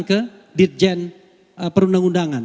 ke dirjen perundang undangan